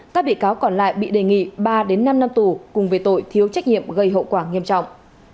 các bị cáo còn lại bị đề nghị ba năm năm tù cùng về tội thiếu trách nhiệm gây hậu quả nghiêm trọng